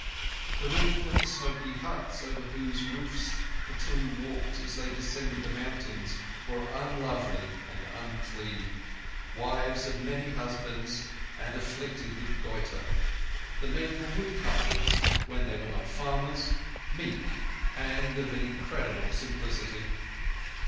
The women of the smoky huts over whose roofs the two walked as they descended the mountains, were unlovely and unclean, wives of many husbands, and afflicted with goitre. The men were woodcutters when they were not farmers—meek, and of an incredible simplicity.